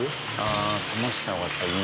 冷ました方がやっぱりいい。